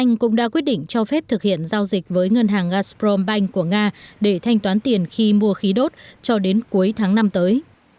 nga cũng đã quyết định cho phép thực hiện giao dịch với ngân hàng gazprom bank của nga để thanh toán tiền khi mua khí đốt cho đến cuối tháng năm tới